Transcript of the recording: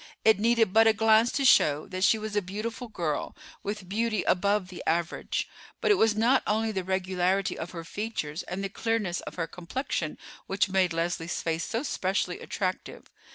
It needed but a glance to show that she was a beautiful girl, with beauty above the average; but it was not only the regularity of her features and the clearness of her complexion which made Leslie's face so specially attractive.